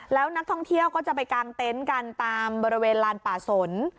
แล้วนักท่องเที่ยวก็จะไปกางเต็นต์กันตามบริเวณลานป่าสน